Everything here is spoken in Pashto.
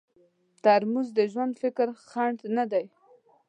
ترموز د ژور فکر خنډ نه دی.